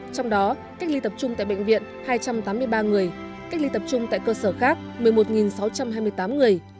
trong đó cách ly tập trung tại bệnh viện hai trăm tám mươi ba người cách ly tập trung tại cơ sở khác một mươi một sáu trăm hai mươi tám người